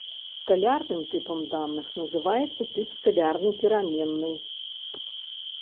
Скалярным тыпам даных называецца тып скалярнай пераменнай.